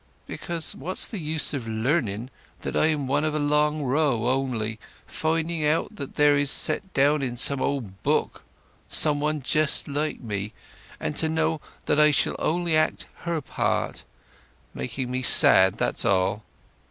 "Because what's the use of learning that I am one of a long row only—finding out that there is set down in some old book somebody just like me, and to know that I shall only act her part; making me sad, that's all.